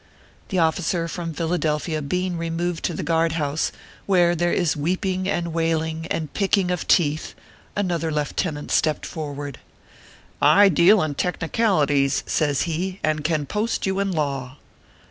The officer from Philadelphia being removed to the guard house, where there is weeping and wailing, and picking of teeth, another leftenant stepped for ward :" I deal in technicalities," says he, " and can post you in law."